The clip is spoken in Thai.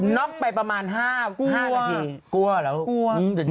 น็อคไปประมาณ๕นาที